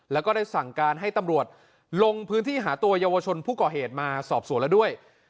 แล้วก็ได้สั่งการให้ตำรวจลงพื้นที่หาตัวเยาวชนผู้ก่อเหตุมาสอบสวนแล้วด้วย